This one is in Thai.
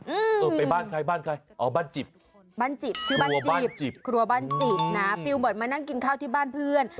เออไปบ้านใครอ๋อบ้านจิบครัวบ้านจิบนะฟิล์มหมดมานั่งกินข้าวที่บ้านเพื่อน